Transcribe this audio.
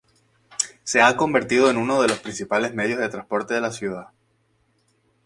Se ha convertido en uno de los principales medios de transporte de la ciudad.